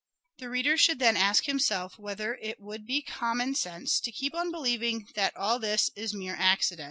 The reader should then ask himself whether it would be common sense to keep on believing that all this is mere accident.